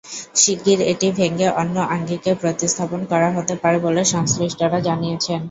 শিগগির এটি ভেঙে অন্য আঙ্গিকে প্রতিস্থাপন করা হতে পারে বলে সংশ্লিষ্টরা জানিয়েছেন।